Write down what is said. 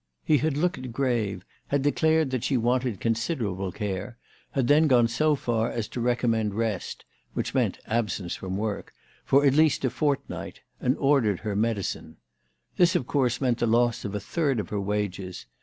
He had looked grave, had declared that she wanted considerable care, had then gone so far as to recommend rest, which meant absence from work, for at least a fortnight, and ordered her medicine. This of course meant the loss of a third of her wages.